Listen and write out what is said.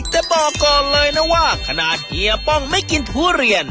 แต่บอกก่อนเลยนะว่าขนาดเฮียป้องไม่กินทุเรียน